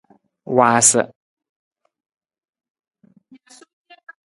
Waasa.